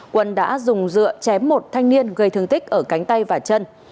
quân đã dùng dựa chém một thanh niên gây thương tích ở cánh tay và chân